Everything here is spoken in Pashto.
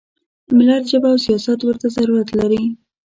ملت ژبه او سیاست ورته ضرورت لري.